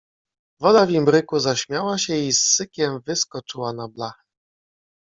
Woda w imbryku zaśmiała się i z sykiem wyskoczyła na blachę.